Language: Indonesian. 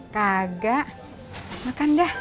kagak makan dah